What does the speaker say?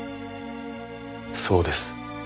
そうです。